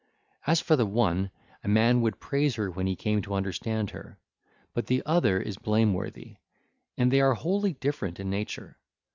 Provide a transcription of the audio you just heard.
As for the one, a man would praise her when he came to understand her; but the other is blameworthy: and they are wholly different in nature.